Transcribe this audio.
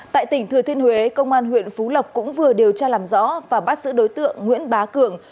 tại tỉnh thừa thiên huế công an huyện phú lộc cũng vừa điều tra làm rõ và bắt giữ đối tượng nguyễn bá cường